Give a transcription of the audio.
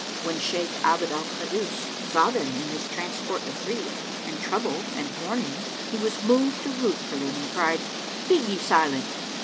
When Shaykh Abd al Kaddus saw them in this transport of grief and trouble and mourning, he was moved to ruth for them and cried, "Be ye silent!"